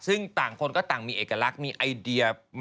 ซึ่งต่างคนก็ต่างมีเอกลักษณ์มีไอเดีย